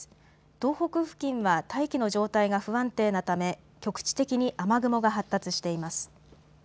東北付近は大気の状態が不安定なため局地的に雨雲が発達しています。